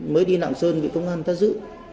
mới đi nạng sơn bị công an ta giữ